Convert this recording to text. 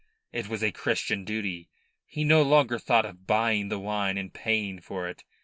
It was a Christian duty. He no longer thought of buying the wine and paying for it.